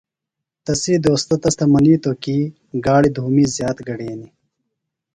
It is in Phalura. تسی دوستہ تس تھےۡ منِیتوۡ کی گاڑیۡ دُھومی زیات گڈینیۡ۔